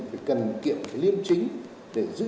phải cần kiệm liêm chính để giữ